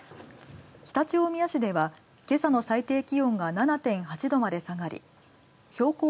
常陸大宮市ではけさの最低気温が７．８度まで下がり標高